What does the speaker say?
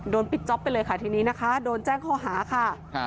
ปิดจ๊อปไปเลยค่ะทีนี้นะคะโดนแจ้งข้อหาค่ะ